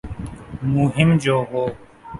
مہم جو ہوں